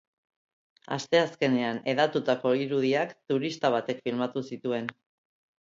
Asteazkenean hedatutako irudiak turista batek filmatu zituen.